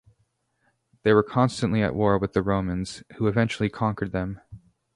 They were constantly at war with the Romans, who eventually conquered them.